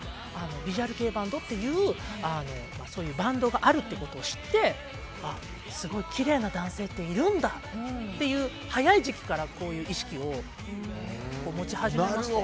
ビジュアル系バンドっていうバンドがあるということを知ってすごいきれいな男性っているんだって早い時期からこういう意識を持ち始めまして。